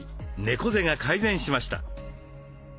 猫背が改善しました。